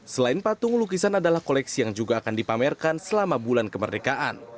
selain patung lukisan adalah koleksi yang juga akan dipamerkan selama bulan kemerdekaan